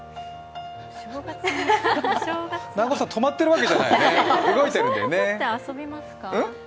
南後さん、止まってるわけじゃないよね、動いてるよね。